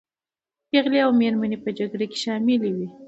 پېغلې او مېرمنې په جګړه کې شاملي وې.